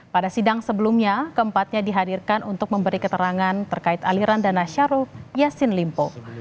pada sidang sebelumnya keempatnya dihadirkan untuk memberi keterangan terkait aliran dana syarul yassin limpo